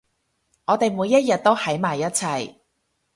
我哋每一日都喺埋一齊